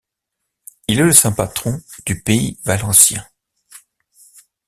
Il est le saint patron du Pays valencien.